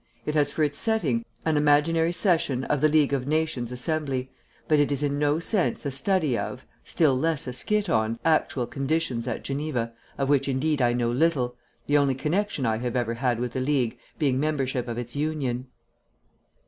It has for its setting an imaginary session of the League of Nations Assembly, but it is in no sense a study of, still less a skit on, actual conditions at Geneva, of which indeed I know little, the only connection I have ever had with the League being membership of its Union.